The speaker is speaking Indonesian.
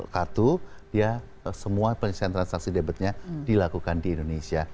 kartu dia semua transaksi debitnya dilakukan di indonesia